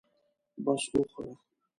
بس وخوره.